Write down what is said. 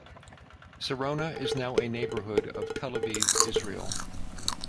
Sarona is now a neighborhood of Tel Aviv, Israel.